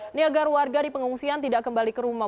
ini agar warga di pengungsian tidak kembali ke rumah